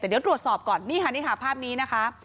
แต่เดี๋ยวตรวจสอบก่อนนี่ค่ะนี่ค่ะภาพนี้นะคะ